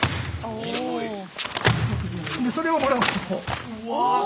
でそれをもらう。